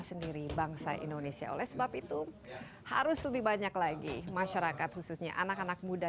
sendiri bangsa indonesia oleh sebab itu harus lebih banyak lagi masyarakat khususnya anak anak muda